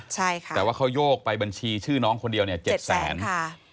แต่ว่าเขาโยกไปบัญชีชื่อน้องคนเดียว๗๐๐๐๐๐๐บาท